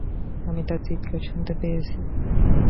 আমি তার চিৎকার শুনতে পেয়েছি।